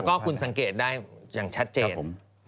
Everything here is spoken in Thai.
ก็คุณสังเกตได้อย่างชัดเจน